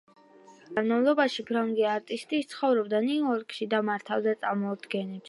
წლების განმავლობაში ფრანგი არტისტი ცხოვრობდა ნიუ-იორკში და მართავდა წარმოდგენებს.